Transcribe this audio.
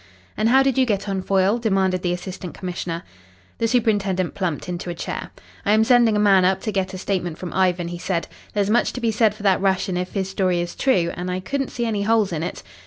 "And how did you get on, Foyle?" demanded the Assistant Commissioner. The superintendent plumped into a chair. "I am sending a man up to get a statement from Ivan," he said. "There's much to be said for that Russian if his story is true and I couldn't see any holes in it."